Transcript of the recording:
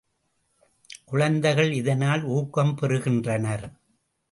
குழந்தைகள் இதனால் ஊக்கம் பெறுகின்றனர்.